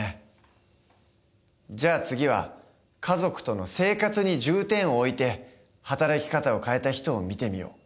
じゃあ次は家族との生活に重点を置いて働き方を変えた人を見てみよう。